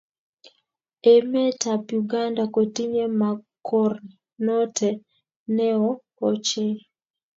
Emet ab Uganda kotinye mokornote ne oo ochei.